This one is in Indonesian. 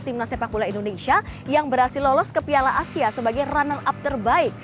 timnas sepak bola indonesia yang berhasil lolos ke piala asia sebagai runner up terbaik